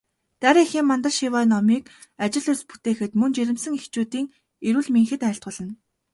Дарь эхийн мандал шиваа номыг ажил үйлс бүтээхэд, мөн жирэмсэн эхчүүдийн эрүүл энхэд айлтгуулна.